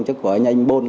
chứ của anh anh bôn